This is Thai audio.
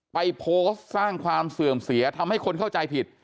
ไปโพสต์สร้างความเสื่อมเสียทำให้คนเข้าใจผิด